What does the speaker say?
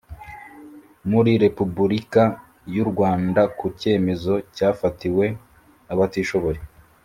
muri repubulika y u rwanda ku cyemezo cyafatiwe abatishoboye